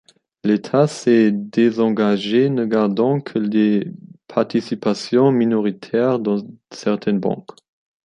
L'État s'est désengagé ne gardant que des participations minoritaires dans certaines banques.